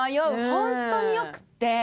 ホントに良くって。